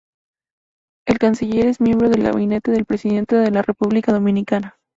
El canciller es miembro del Gabinete del presidente de la República Dominicana.